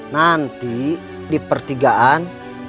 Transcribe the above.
nanti di pertigaan